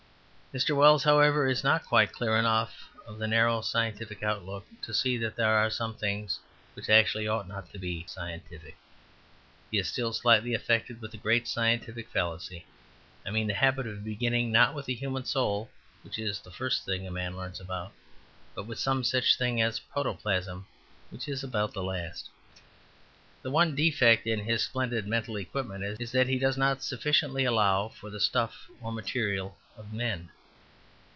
Mr. Wells, however, is not quite clear enough of the narrower scientific outlook to see that there are some things which actually ought not to be scientific. He is still slightly affected with the great scientific fallacy; I mean the habit of beginning not with the human soul, which is the first thing a man learns about, but with some such thing as protoplasm, which is about the last. The one defect in his splendid mental equipment is that he does not sufficiently allow for the stuff or material of men.